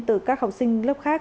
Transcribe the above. từ các học sinh lớp khác